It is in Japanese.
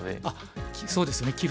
あっそうですね。